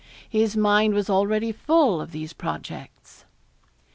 His mind was already full of these projects.